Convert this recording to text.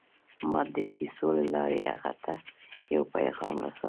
ما د کیسو له لارې هغه ته یو پیغام رساوه